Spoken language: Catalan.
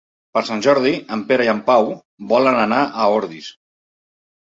Per Sant Jordi en Pere i en Pau volen anar a Ordis.